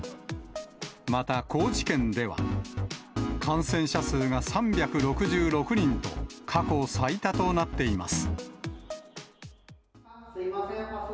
また、高知県では、感染者数が３６６人と、過去最多となっています。